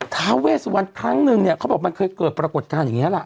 ทาเวสวรรค์ครั้งหนึ่งเนี้ยเขาบอกมันเคยเกิดปรากฏการณ์อย่างเงี้ยแหละ